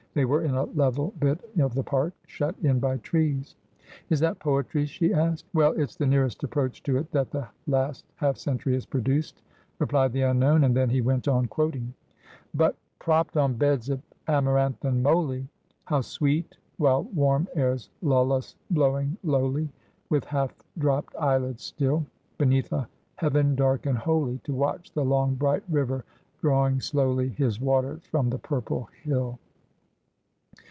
They were in a level bit of the park, shut in by trees. ' Is that poetry?' she asked. ' Weil, it's the nearest approach to it that the last half cen tury has produced,' replied the unknown, and then he went on quoting : 40 Asphodel. ''■ But propt on beds of amaranth and moly, Hiiiv sweet (while warm airs lull us blowing lowly), "With half dropt eyelids still, Beneath a heaven dark and holy, To watch the long bright river drawing slowly His waters from the purple hill."